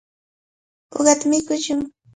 Uqata mikushun.